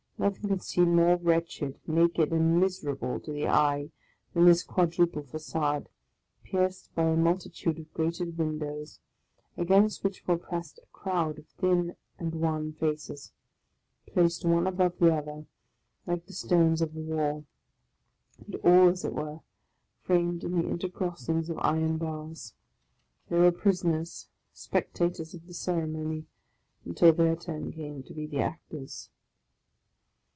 Noth ing could seem more wretched, naked, and miserable to the eye than this quadruple fa9ade, pierced by a multitude of grated windows, against which were pressed a crowd of thin and wan faces, placed one above the other, like the stones of a wall; and all, as it were, framed in the intercrossings of iron bars. They were prisoners, spectators of the ceremony, until their turn came to be the actors.